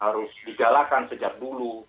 harus digalakkan sejak dulu